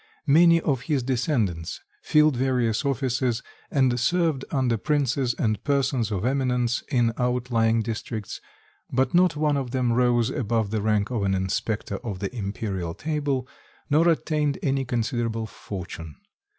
Many of his descendants filled various offices, and served under princes and persons of eminence in outlying districts, but not one of them rose above the rank of an inspector of the Imperial table nor acquired any considerable fortune.